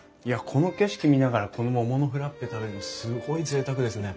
この景色見ながらこの桃のフラッペ食べるのすごいぜいたくですね。